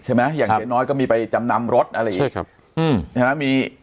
ใช่ไหมอย่างเดี๋ยวน้อยก็มีไปจำนำรถอะไรอีกใช่ครับอืม